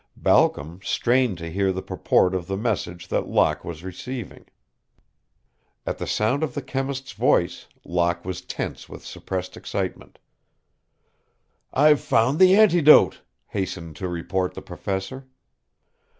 Balcom strained to hear the purport of the message that Locke was receiving. At the sound of the chemist's voice Locke was tense with suppressed excitement. "I've found the antidote," hastened to report the professor.